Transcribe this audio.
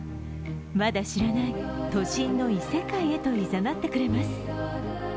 まだ知らない都心の異世界へといざなってくれます。